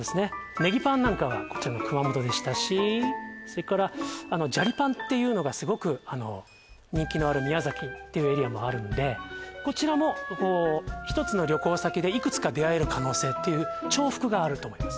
ネギパンなんかはこちらの熊本でしたしそれからジャリパンっていうのがすごく人気のある宮崎っていうエリアもあるんでこちらも１つの旅行先でいくつか出会える可能性っていう重複があると思います